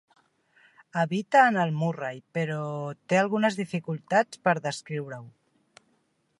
Habita en el Murray; però... té algunes dificultats per descriure-ho.